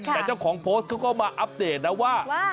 แต่เจ้าของโพสต์เขาก็มาอัปเดตนะว่า